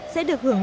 sẽ được hưởng lợi